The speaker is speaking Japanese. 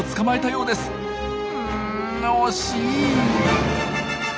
うん惜しい。